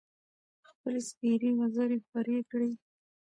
خپـلې سپـېرې وزرې خـورې کـړې.